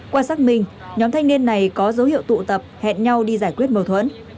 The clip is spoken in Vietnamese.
qua xác minh nhóm thanh niên này có dấu hiệu tụ tập hẹn nhau đi giải quyết mâu thuẫn